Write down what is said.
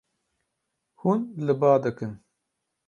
Hûn li ba dikin.